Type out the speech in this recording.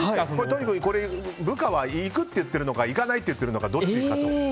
都仁君、これ部下は行くって言ってるのか行かないって言ってるのかどっちだと思う？